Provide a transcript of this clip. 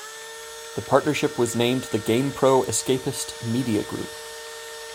The partnership was named the Gamepro Escapist Media Group.